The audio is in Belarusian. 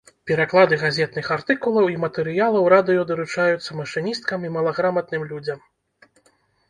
Пераклады газетных артыкулаў і матэрыялаў радыё даручаюцца машыністкам і малаграматным людзям.